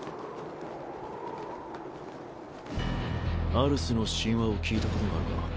アルスの神話を聞いたことがあるか？